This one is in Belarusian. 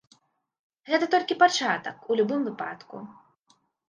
Гэта толькі пачатак, у любым выпадку.